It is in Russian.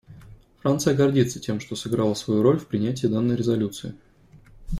Франция гордится тем, что сыграла свою роль в принятии данной резолюции.